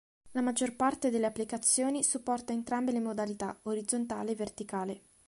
La maggior parte delle applicazioni supporta entrambe le modalità, orizzontale e verticale.